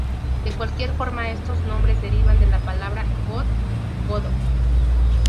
De cualquier forma estos nombres derivan de la palabra goth, godo.